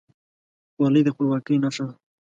خولۍ د خپلواکۍ نښه ده.